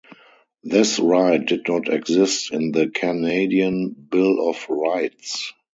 This right did not exist in the Canadian Bill of Rights.